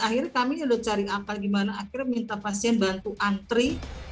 akhirnya kami sudah cari apa gimana akhirnya minta pasien bantu antri